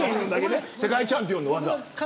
世界チャンピオンの技を。